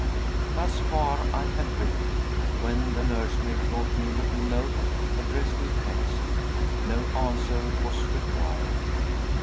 Thus far I had written, when the nursemaid brought me a little note, addressed in pencil. No answer was required.